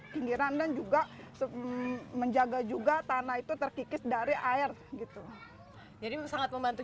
pinggiran dan juga menjaga juga tanah itu terkikis dari air gitu jadi sangat membantu